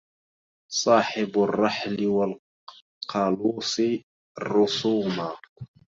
صاحب الرحل والقلوص الرسوما